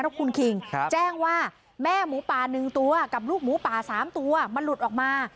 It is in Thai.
แล้วคุณคิงแจ้งว่าแม่หมูป่าหนึ่งตัวกับลูกหมูป่าสามตัวมันหลุดออกมา